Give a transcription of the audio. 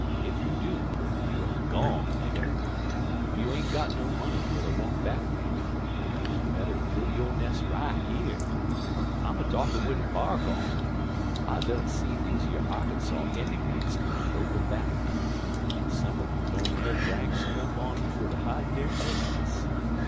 Ef you do, you er gone nigger. Ef you ain't got no money fer ter walk back wid, you better des b'il' yo' nes' right here. I'm a talkin' wid de bark on. I done seed deze yer Arkinsaw emmygrants come lopin' back, an' some un 'em didn't have rags nuff on 'em fer ter hide dere nakidness.